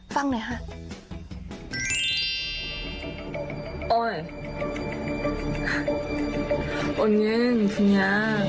ฟังหน่อยค่ะ